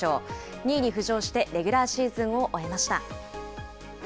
２位に浮上して、レギュラーシーズンを終えました。